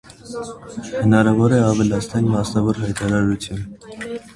Հնարավոր է ավելացնել մասնավոր հայտարարություն։